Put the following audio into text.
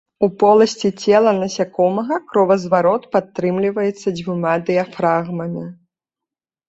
У поласці цела насякомага кровазварот падтрымліваецца дзвюма дыяфрагмамі.